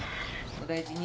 お大事に。